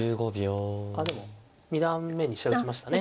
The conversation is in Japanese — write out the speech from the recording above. あっでも二段目に飛車打ちましたね。